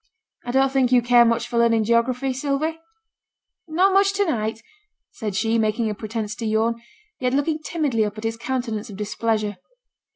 'I don't think you care much for learning geography, Sylvie?' 'Not much to night,' said she, making a pretence to yawn, yet looking timidly up at his countenance of displeasure.